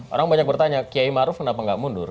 orang banyak bertanya kiai maruf kenapa nggak mundur